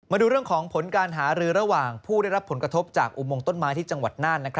มาดูเรื่องของผลการหารือระหว่างผู้ได้รับผลกระทบจากอุโมงต้นไม้ที่จังหวัดน่าน